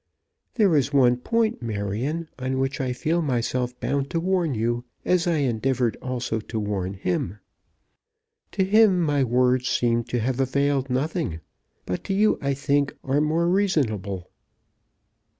"There is one point, Marion, on which I feel myself bound to warn you, as I endeavoured also to warn him. To him my words seemed to have availed nothing; but you, I think, are more reasonable.